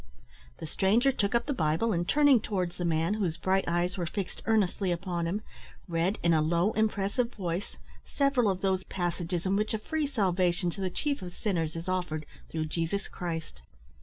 The stranger took up the Bible, and, turning towards the man, whose bright eyes were fixed earnestly upon him, read, in a low impressive voice, several of those passages in which a free salvation to the chief of sinners is offered through Jesus Christ.